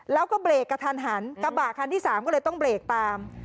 แล้วก็เบรกกระทันหันกระบะคันที่สามก็เลยต้องเบรกตาม